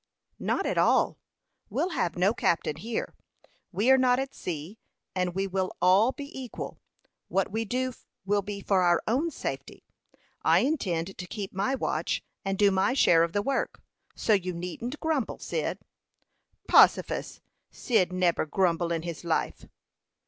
"Not at all. We'll have no captain here. We are not at sea, and we will all be equal. What we do will be for our own safety. I intend to keep my watch, and do my share of the work; so you needn't grumble, Cyd." "Possifus! Cyd neber grubble in his life."